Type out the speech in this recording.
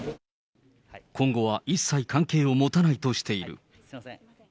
今後は一切関係を持たないとしている。